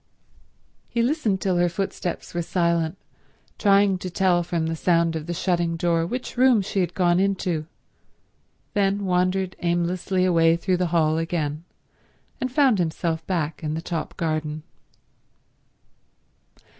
He listened till her footsteps were silent, trying to tell from the sound of the shutting door which room she had gone into, then wandered aimlessly away through the hall again, and found himself back in the top garden.